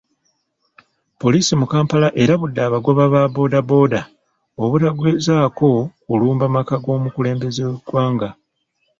Poliisi mu Kampala erabudde abagoba ba bbooda bbooda obutagezaako kulumba maka g'omukulembeze w'eggwanga.